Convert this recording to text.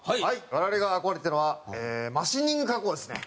我々が憧れていたのはマシニング加工ですね。